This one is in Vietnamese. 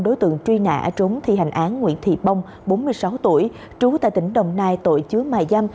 đối tượng truy nã trốn thi hành án nguyễn thị bông bốn mươi sáu tuổi trú tại tỉnh đồng nai tội chứa mài giam